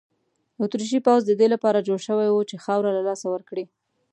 اتریشي پوځ د دې لپاره جوړ شوی وو چې خاوره له لاسه ورکړي.